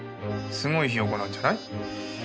すごいひよこなんじゃない？